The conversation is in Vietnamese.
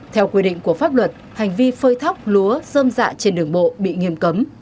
theo quy định của pháp luật hành vi phơi thóc lúa dơm dạ trên đường bộ bị nghiêm cấm